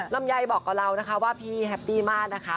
ลำไยบอกกับเรานะคะว่าพี่แฮปปี้มากนะคะ